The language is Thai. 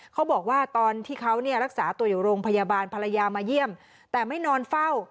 เขาบอกว่าตอนที่เขาเนี่ยรักษาตัวอยู่โรงพยาบาลภรรยามาเยี่ยมแต่ไม่นอนเฝ้า